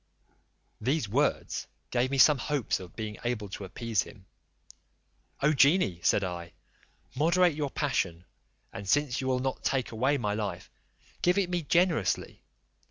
These words gave me some hopes of being able to appease him: "O genie," said I, "moderate your passion, and since you will not take away my life, give it me generously.